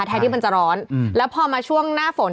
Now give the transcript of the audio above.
ที่มันจะร้อนแล้วพอมาช่วงหน้าฝน